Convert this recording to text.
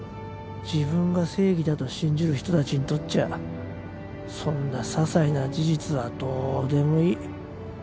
自分が正義だと信じる人たちにとっちゃそんなささいな事実はどうでもいい。